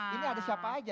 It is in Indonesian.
nah ini ada siapa aja